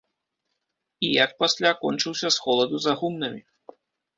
І як пасля кончыўся з холаду за гумнамі.